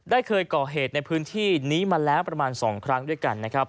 เคยก่อเหตุในพื้นที่นี้มาแล้วประมาณ๒ครั้งด้วยกันนะครับ